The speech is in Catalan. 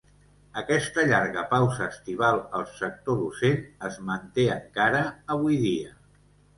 Aquesta llarga pausa estival al sector docent es manté encara avui dia.